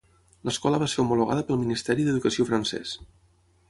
L'escola va ser homologada pel Ministeri d'Educació francès.